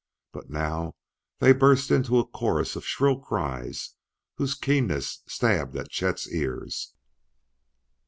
But now they burst into a chorus of shrill cries whose keenness stabbed at Chet's ears.